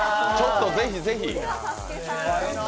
ぜひぜひ。